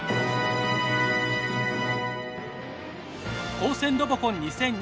高専ロボコン２０２２